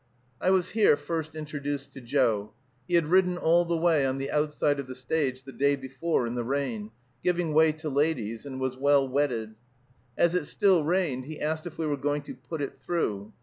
I was here first introduced to Joe. He had ridden all the way on the outside of the stage, the day before, in the rain, giving way to ladies, and was well wetted. As it still rained, he asked if we were going to "put it through."